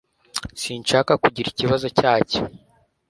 Sinshaka kugira ikibazo cyacyo.